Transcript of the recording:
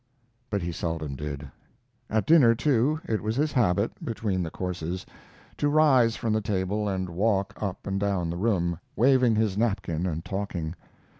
But he seldom did. At dinner, too, it was his habit, between the courses, to rise from the table and walk up and down the room, waving his napkin and talking!